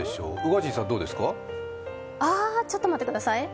ああ、ちょっと待ってください。